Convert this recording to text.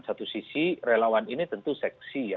satu sisi relawan ini tentu seksi ya